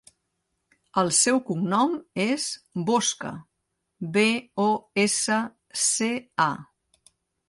El seu cognom és Bosca: be, o, essa, ce, a.